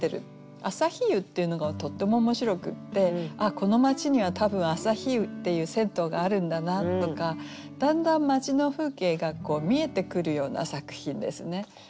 「あさひ湯」っていうのがとっても面白くってああこの町には多分「あさひ湯」っていう銭湯があるんだなとかだんだん町の風景が見えてくるような作品ですね。